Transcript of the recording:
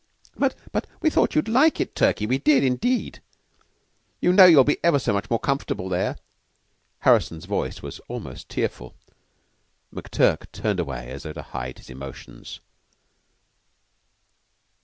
"But but we thought you'd like it, Turkey. We did, indeed. You know you'll be ever so much more comfortable there." Harrison's voice was almost tearful. McTurk turned away as though to hide his emotions.